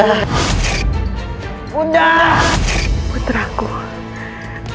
dan itu hanya shungenaga yang saya cicakkan